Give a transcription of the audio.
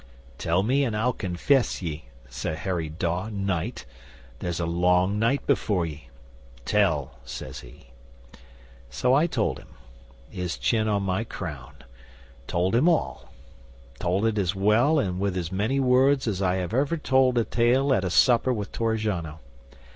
'"Tell me, and I'll confess ye, Sir Harry Dawe, Knight. There's a long night before ye. Tell," says he. 'So I told him his chin on my crown told him all; told it as well and with as many words as I have ever told a tale at a supper with Torrigiano.